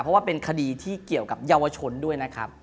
เพราะว่าเป็นคดีที่เกี่ยวกับเยาวชนด้วยนะครับ